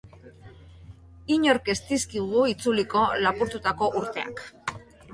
Inork ez dizkigu itzuliko lapurtutako urteak.